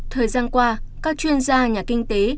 thời gian qua các chuyên gia nhà kinh tế